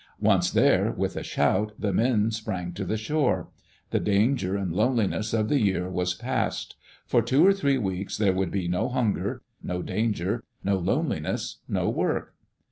Once there, with a shout the men sprang to the shore. The danger and loneliness of the year was past. For two or three weeks there would be no hunger, no danger, no loneliness, no work.